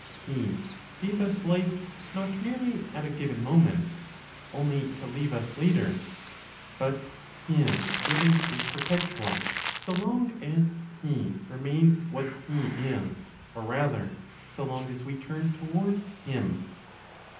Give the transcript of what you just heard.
He gave us life not merely at a given moment, only to leave us later; but His giving is perpetual, so long as He remains what He is, or rather, so long as we turn towards Him.